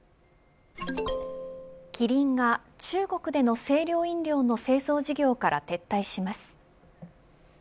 キリンが中国での清涼飲料の製造事業から撤退します。